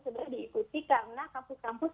sudah diikuti karena kampus kampus